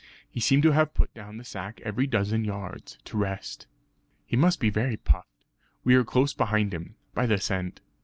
He seemed to have put down the sack every dozen yards, to rest. "He must be very puffed; we are close behind him, by the scent.